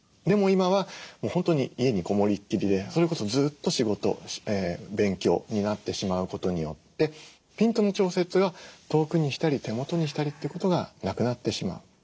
でも今は本当に家にこもりっきりでそれこそずっと仕事勉強になってしまうことによってピントの調節が遠くにしたり手元にしたりってことがなくなってしまう。